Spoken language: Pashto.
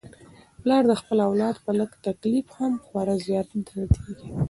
پلار د خپل اولاد په لږ تکلیف هم خورا زیات دردیږي.